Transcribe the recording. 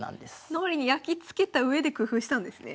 脳裏にやきつけたうえで工夫したんですね。